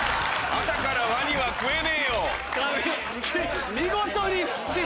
朝からワニは食えねえよ。